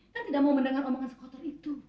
kita tidak mau mendengar omongan sekotor itu